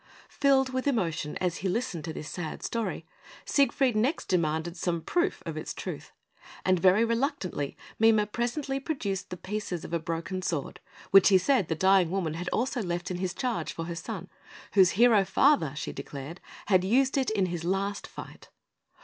Filled with emotion as he listened to this sad story, Siegfried next demanded some proof of its truth; and very reluctantly Mime presently produced the pieces of a broken sword, which he said the dying woman had also left in his charge for her son, whose hero father, she declared, had used it in his last fight.